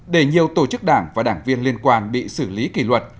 để nhiều tổ chức đảng và đảng viên liên quan bị xử lý kỷ luật